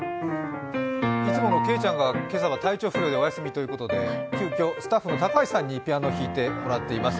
いつものけいちゃんが体調不良でお休みということで急きょ、スタッフの高橋さんにピアノを弾いてもらっています。